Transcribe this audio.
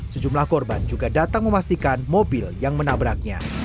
sejumlah korban juga datang memastikan mobil yang menabraknya